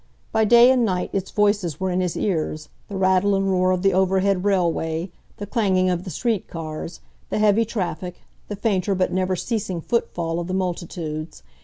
By day and night its voices were in his ears, the rattle and roar of the overhead railway, the clanging of the street cars, the heavy traffic, the fainter but never ceasing foot fall of the multitudes.